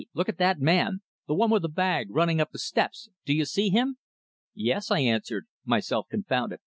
Look at that man the one with the bag, running up the steps. Do you see him?" "Yes," I answered, myself confounded.